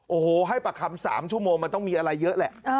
โอ้โหให้ปากคำ๓ชั่วโมงมันต้องมีอะไรเยอะแหละ